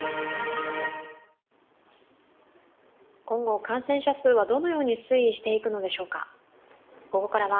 今後、感染者数はどのように推移していくのでしょうか。